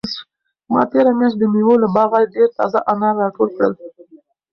ما تېره میاشت د مېوو له باغه ډېر تازه انار راټول کړل.